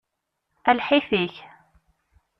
A lḥif-ik!